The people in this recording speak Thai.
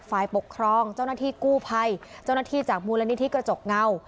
ฝ่ายปกครองเจ้าหน้าที่กู้ภัยเจ้าหน้าที่จากมูลนิธิกระจกเงา